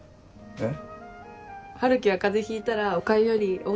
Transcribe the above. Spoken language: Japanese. えっ？